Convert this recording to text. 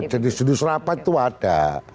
jadi jenis jenis rapat itu ada